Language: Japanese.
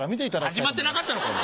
始まってなかったのかお前。